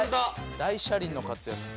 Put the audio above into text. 大車輪の活躍。